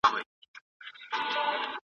ډېر خلک واکسین ته په انتظار دي.